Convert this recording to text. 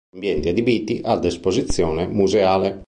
Ambienti adibiti ad esposizione museale.